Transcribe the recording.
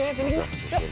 udah sini sini sini